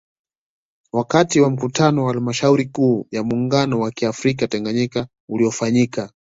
Wakati wa Mkutano wa Halmashauri Kuu ya muungano wa kiafrika Tanganyika uliofanyika